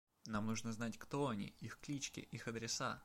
Нам нужно знать, кто они, их клички, их адреса.